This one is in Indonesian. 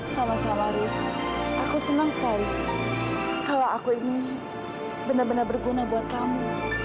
sama sama riz aku senang sekali kalau aku ini benar benar berguna buat kamu